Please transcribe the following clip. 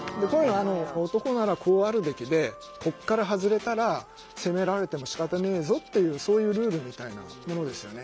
「男ならこうあるべきでここから外れたら責められてもしかたねえぞ」っていうそういうルールみたいなものですよね。